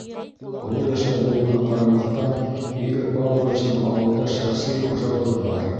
Оло йәштә булыуына ҡарамаҫтан, Игорь Павловичтың ауылда шәхси хужалығы бар.